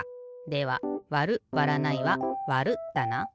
ではわるわらないはわるだな。